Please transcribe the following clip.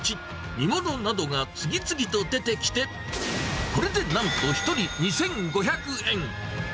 煮物などが次々と出てきて、これでなんと１人２５００円。